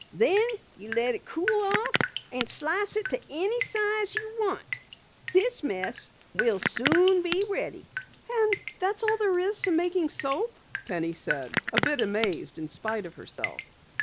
"Then you let it cool off and slice it to any size you want. This mess'll soon be ready." "And that's all there is to making soap," Penny said, a bit amazed in spite of herself.